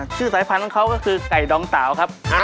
ชื่อสายพันธุ์มันคือกัยดองเตากักครับ